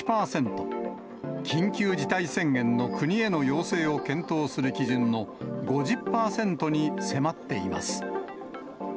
緊急事態宣言の国への要請を検討する基準の５０％に迫っています。